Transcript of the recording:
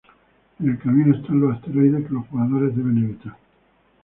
En el camino están los asteroides, que los jugadores deben evitar.